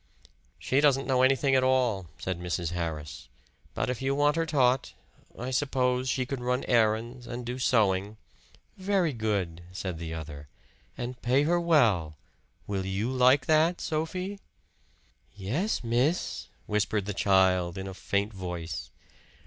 "She doesn't know anything at all," said Mrs. Harris. "But if you want her taught I suppose she could run errands and do sewing " "Very good," said the other. "And pay her well. Will you like that, Sophie?" "Yes, Miss," whispered the child in a faint voice.